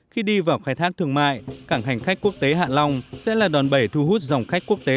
khi đi vào khai thác thương mại cảng hành khách quốc tế hạ long sẽ là đòn bẩy thu hút dòng khách quốc tế